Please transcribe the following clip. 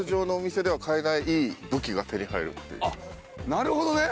なるほどね。